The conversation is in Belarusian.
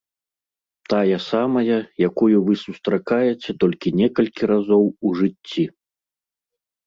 Тая самая, якую вы сустракаеце толькі некалькі разоў у жыцці.